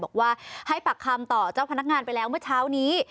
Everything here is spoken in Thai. บอกว่าให้ปากคำต่อเจ้าพนักงานไปแล้วเมื่อเช้านี้